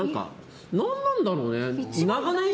何なんだろうね？